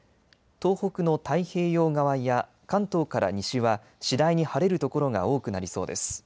東北の太平洋側や関東から西は次第に晴れる所が多くなりそうです。